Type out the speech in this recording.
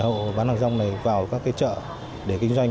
hộ bán hàng rong này vào các chợ để kinh doanh